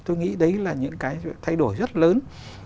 tôi nghĩ đấy là những cái thay đổi rất lớn